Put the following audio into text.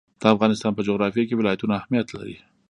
د افغانستان په جغرافیه کې ولایتونه اهمیت لري.